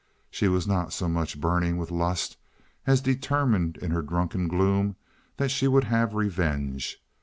She was not so much burning with lust as determined in her drunken gloom that she would have revenge.